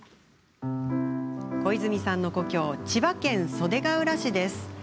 小泉さんの故郷千葉県・袖ケ浦市です。